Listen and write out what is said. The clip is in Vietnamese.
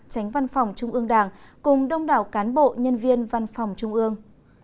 tránh văn phòng trung ương đảng cùng đông đảo cán bộ nhân viên văn phòng trung ương